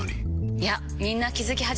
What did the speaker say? いやみんな気付き始めてます。